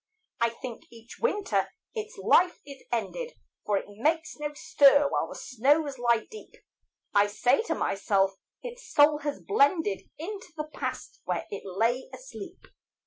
I think each winter its life is ended, For it makes no stir while the snows lie deep. I say to myself, 'Its soul has blended Into the past where it lay asleep.'